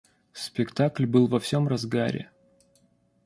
Спектакль был во всем разгаре.